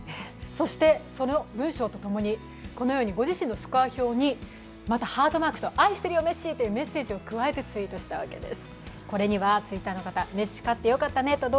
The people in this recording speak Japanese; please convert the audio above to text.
その文章とともに、ご自身のスコア表とともにまたハートマークと愛してるよというメッセージを加えてツイートしたわけです。